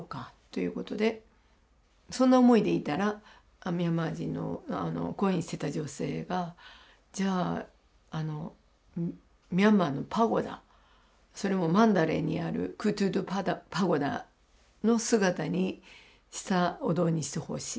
そんな思いでいたらミャンマー人の懇意にしてた女性がじゃあミャンマーのパゴダそれもマンダレーにあるクドードォパゴダの姿にしたお堂にしてほしい。